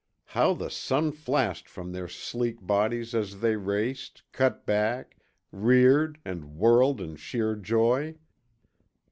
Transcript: How the sun flashed from their sleek bodies as they raced, cut back, reared, and whirled in sheer joy!